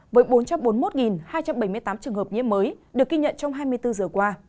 với bốn trăm bốn mươi một hai trăm bảy mươi tám trường hợp nhiễm mới được ghi nhận trong hai mươi bốn giờ qua